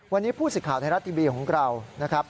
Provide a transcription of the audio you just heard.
วันนี้ผู้สิทธิ์ไทยรัฐทีวีของเรานะครับ